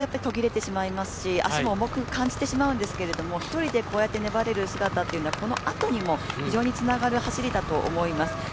ほんとに離れると気持ちも途切れてしまいますし足も重く感じてしまうんですけれども１人でこうやって粘れる姿というのはこのあとにも非常につながる走りだと思います。